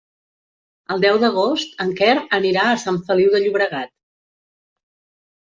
El deu d'agost en Quer anirà a Sant Feliu de Llobregat.